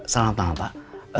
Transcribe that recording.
selamat pagi pak